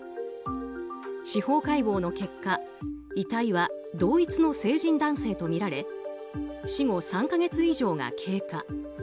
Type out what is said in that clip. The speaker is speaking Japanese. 司法解剖の結果遺体は同一の成人男性とみられ死後３か月以上が経過。